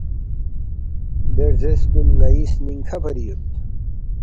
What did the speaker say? دے رزیس کُن ن٘ئ سنِنکھہ فری یود